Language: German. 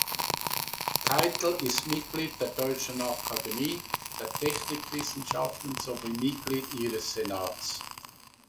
Keitel ist Mitglied der Deutschen Akademie der Technikwissenschaften sowie Mitglied ihres Senats.